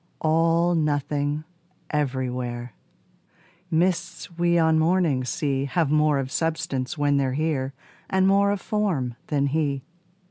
All nothing everywhere: Mists we on mornings see Have more of substance when they're here And more of form than he.